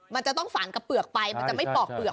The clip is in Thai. มันจะต้องฝังกระเปลือกไปมันจะไม่ปอกเปลือก